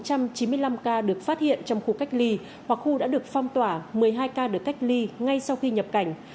trong số này thì bốn trăm chín mươi năm ca được phát hiện trong khu cách ly hoặc khu đã được phong tỏa một mươi hai ca được cách ly ngay sau khi nhập cảnh